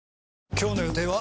今日の予定は？